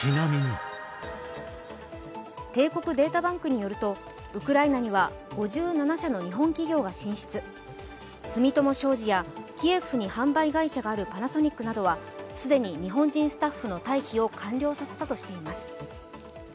帝国データバンクによると、ウクライナには５７社の日本企業が進出住友商事やキエフに販売会社があるパナソニックなどは、既に日本人スタッフの退避を完了させたとしています。